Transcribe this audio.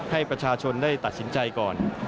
ให้ประชาชนได้ตัดสินใจก่อน